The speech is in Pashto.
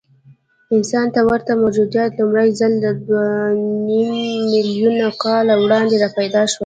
انسان ته ورته موجودات لومړی ځل دوهنیممیلیونه کاله وړاندې راپیدا شول.